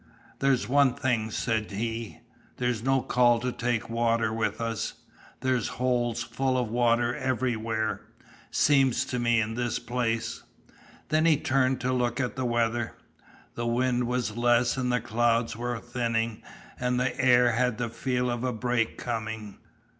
"There's one thing," said he, "there's no call to take water with us, there's holes full of water everywhere, seems to me in this place." Then he turned to look at the weather. The wind was less and the clouds were thinning and the air had the feel of a break coming.